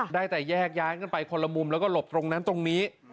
ได้แต่แยกย้ายกันไปคนละมุมแล้วก็หลบตรงนั้นตรงนี้